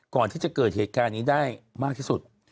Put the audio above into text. ก่อนที่จะเกิดเหตุการณ์นี้ได้มากที่สุด